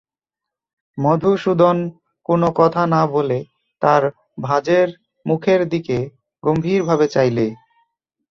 মধুসূদন কোনো কথা না বলে তার ভাজের মুখের দিকে গম্ভীরভাবে চাইলে।